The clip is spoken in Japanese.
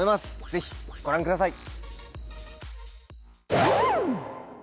ぜひご覧ください。